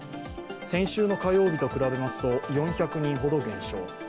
先週の火曜日と比べますと４００人ほど減少。